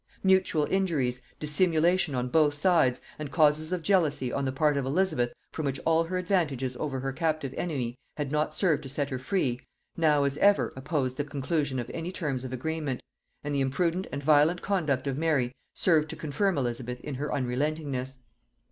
Mutual injuries, dissimulation on both sides, and causes of jealousy on the part of Elizabeth from which all her advantages over her captive enemy had not served to set her free, now, as ever, opposed the conclusion of any terms of agreement; and the imprudent and violent conduct of Mary served to confirm Elizabeth in her unrelentingness.